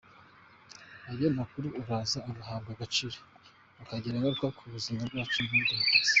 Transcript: Ayo makuru araza agahabwa agaciro, akagira ingaruka ku buzima bwacu muri demokarasi.